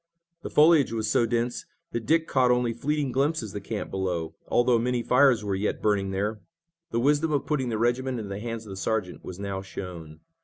The foliage was so dense that Dick caught only flitting glimpses of the camp below, although many fires were yet burning there. The wisdom of putting the regiment into the hands of the sergeant was now shown.